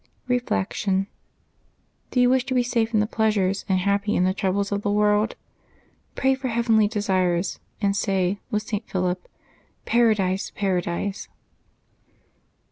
Reflection. — Do you wish to be safe in tlie pleasures and happy in the troubles of the world? Pray for heav enly desires, and say, with St. Philip, " Paradise, Para dise!''